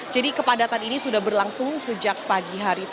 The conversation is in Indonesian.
jadi kepadatan ini sudah berlangsung sejak pagi hari tadi